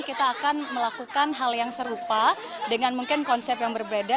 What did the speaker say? kita akan melakukan hal yang serupa dengan mungkin konsep yang berbeda